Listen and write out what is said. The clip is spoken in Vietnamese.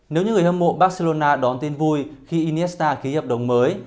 nếu như người hâm mộ barcelona đón tin vui khi iniesta ký hợp đồng mới